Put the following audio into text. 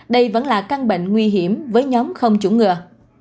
đây vẫn là căn bệnh nguy hiểm với nhóm không chủng ngừa